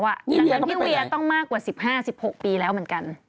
ดังนั้นพี่เวียต้องมากกว่า๑๕๑๖ปีแล้วเหมือนกัน